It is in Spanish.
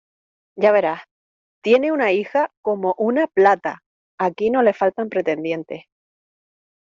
Ya verás ¡Tiene una hija como una plata! aquí no le faltan pretendientes.